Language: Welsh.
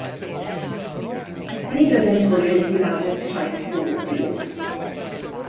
Ni byddent hwy yn mynd i lawr i'r traeth bob dydd.